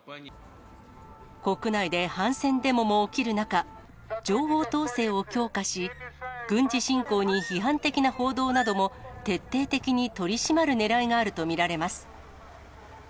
国内で反戦デモも起きる中、情報統制を強化し、軍事侵攻に批判的な報道なども、徹底的に取り締まるねらいがあると見られます。